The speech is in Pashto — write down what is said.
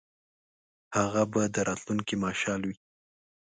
هغه به د راتلونکي مشعل وي.